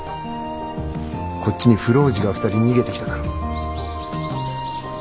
こっちに浮浪児が２人逃げてきただろう。